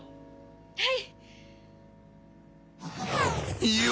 はい！